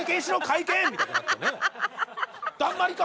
「だんまりか！」